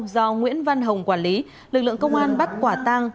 do nguyễn văn hồng quản lý lực lượng công an bắt quả tang